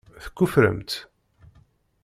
Tekuferramt?